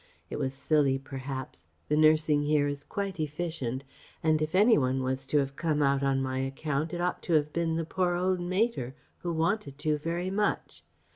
It was silly perhaps the nursing here is quite efficient and if any one was to have come out on my account it ought to have been the poor old mater, who wanted to very much.